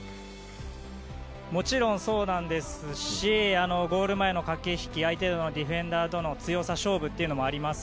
もちろんそうですしゴール前の駆け引き相手のディフェンダーとの強さ勝負もあります。